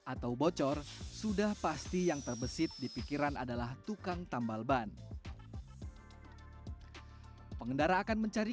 atau bocor sudah pasti yang terbesit di pikiran adalah tukang tambal ban pengendara akan mencari